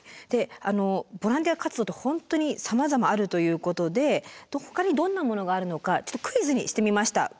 ボランティア活動って本当にさまざまあるということでほかにどんなものがあるのかちょっとクイズにしてみました。